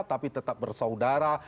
tapi tetap bersaudara